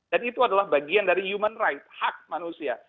dan itu adalah bagian dari human rights hak manusia